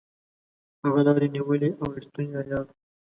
هغه لاري نیولې او ریښتونی عیار وو.